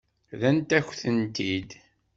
Rrant-ak-tent-id.